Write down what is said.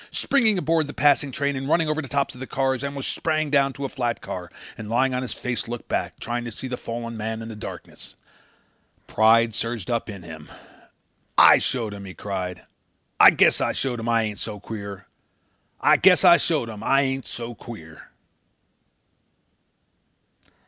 Springing aboard the passing train and running over the tops of cars, Elmer sprang down to a flat car and lying on his face looked back, trying to see the fallen man in the darkness. Pride surged up in him. "I showed him," he cried. "I guess I showed him. I ain't so queer. I guess I showed him I ain't so queer."